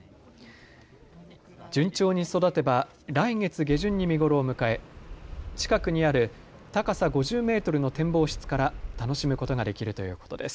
順調に育てば来月下旬に見頃を迎え近くにある高さ５０メートルの展望室から楽しむことができるということです。